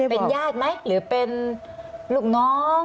เป็นญาติไหมหรือเป็นลูกน้อง